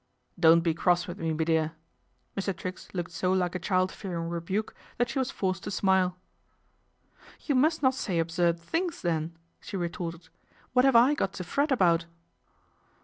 " Don't be cross with me, me dear." Mr. Trigg looked so like a child fearing rebuke that she wa forced to smile. " You must not say absurd things then," sh retorted. " What have I got to fret about